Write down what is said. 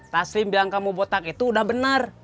taslim bilang kamu botak itu udah benar